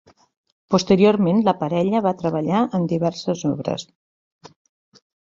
Posteriorment, la parella va treballar en diverses obres.